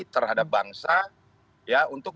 terhadap bangsa ya untuk